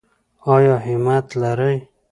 ایا همت لرئ؟